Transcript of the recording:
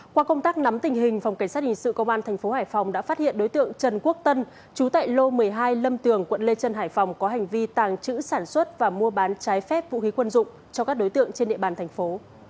qua công tác nắm tình hình phòng cảnh sát hình sự công an tp hải phòng đã phát hiện đối tượng trần quốc tân chú tại lô một mươi hai lâm tường quận lê trân hải phòng có hành vi tàng trữ sản xuất và mua bán trái phép vũ khí quân dụng cho các đối tượng trên địa bàn thành phố